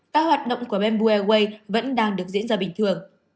các hoạt động của bamboo airways vẫn đang được diễn ra bình thường